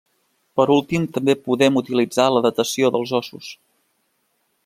Per últim també podem utilitzar la datació dels ossos.